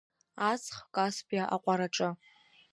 Аҵх каспиа аҟәараҿы.